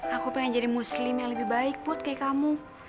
aku pengen jadi muslim yang lebih baik put kayak kamu